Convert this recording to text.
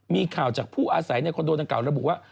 มีข่าวจากผู้อาศัยในคอนโดดังกล่าระบุว่า